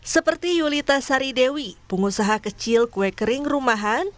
seperti yulita saridewi pengusaha kecil kue kering rumahan